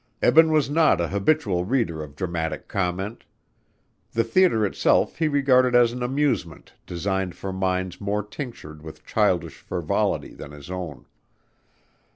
Eben was not an habitual reader of dramatic comment. The theater itself he regarded as an amusement designed for minds more tinctured with childish frivolity than his own.